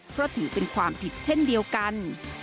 เพราะถือเป็นความผิดเช่นเดียวกัน